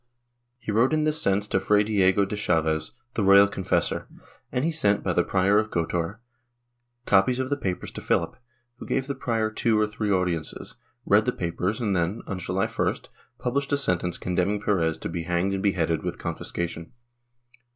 He wrote in this sense to Fray Diego de Chaves, the royal confessor, and he sent, by the Prior of Gotor, copies of the papers to Philip, who gave the prior two or three audiences, read the papers and then, on July 1st, published a sentence condemning Perez to be hanged and beheaded, with confiscation.